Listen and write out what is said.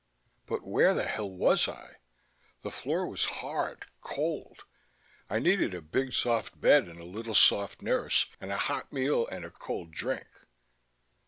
But where the hell was I? The floor was hard, cold. I needed a big soft bed and a little soft nurse and a hot meal and a cold drink....